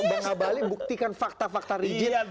bang abalin buktikan fakta fakta rigid